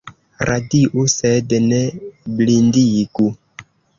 Radiu sed ne blindigu.